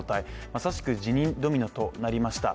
まさしく辞任ドミノとなりました。